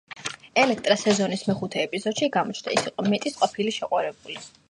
ელექტრა სეზონის მეხუთე ეპიზოდში გამოჩნდა, ის იყო მეტის ყოფილი შეყვარებული.